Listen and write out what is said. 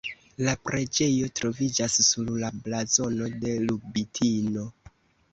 La preĝejo troviĝas sur la blazono de Lubitino.